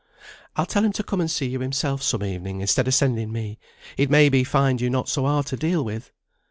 "I'll tell him to come and see you himself some evening, instead o' sending me; he'd may be find you not so hard to deal with."